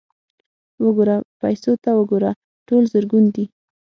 _وګوره، پيسو ته وګوره! ټول زرګون دي.